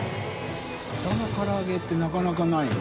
擇唐揚げってなかなかないね。